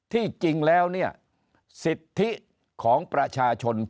ที่จริงแล้วเนี่ยสิทธิของประชาชน